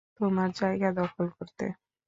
তোমার জায়গা দখল করতে।